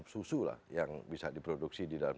susu lah yang bisa diproduksi di dalam